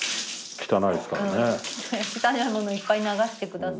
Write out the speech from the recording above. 汚いものいっぱい流して下さい。